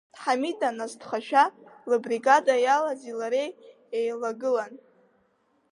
Ҳамида насҭхашәа, лыбригада иалази лареи еила-гылан.